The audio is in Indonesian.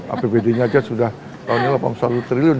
apbd nya aja sudah tahunnya delapan puluh satu triliun